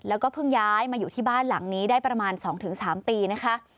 แล้วก็เพิ่งย้ายมาอยู่ที่บ้านหลังนี้ได้ประมาณ๒๓ปีนะคะ